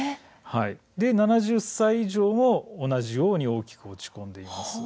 ７０歳以上も同じように大きく落ち込んでいます。